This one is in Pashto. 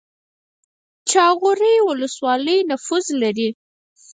جاغوری ولسوالۍ نفوس لري؟